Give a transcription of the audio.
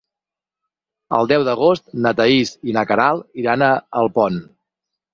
El deu d'agost na Thaís i na Queralt iran a Alpont.